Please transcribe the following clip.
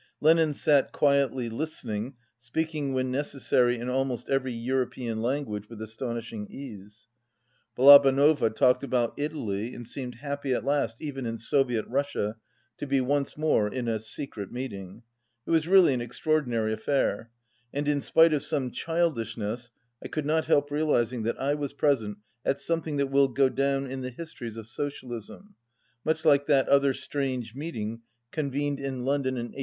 Lenin sat quietly listening, speaking when necessary in al most every European language with astonishing ease. Balabanova talked about Italy and seemed happy at last, even in Soviet Russia, to be once more in a "secret meeting." It was really an extraordinary affair and, in spite of some childish ness, I could not 'help realizing that I was present at something that will go down in the histories of socialism, much like that other strange meeting convened in London in 1848.